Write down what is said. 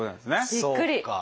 びっくり！